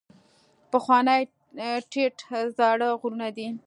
پخواني ټیټ زاړه غرونه دي.